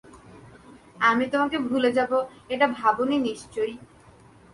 আমি তোমাকে ভুলে যাব, এটা ভাবোনি নিশ্চয়ই।